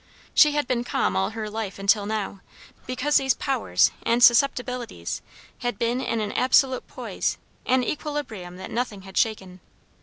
She had been calm all her life until now, because these powers and susceptibilities had been in an absolute poise; an equilibrium that nothing had shaken.